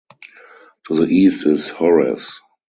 To the east is Horace.